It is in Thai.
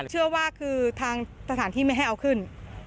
เชื่อว่าคือทางสถานที่ไม่ให้เอาขึ้น